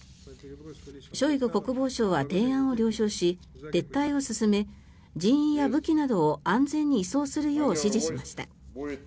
ショイグ国防相は提案を了承し撤退を進め、人員や武器などを安全に移送するよう指示しました。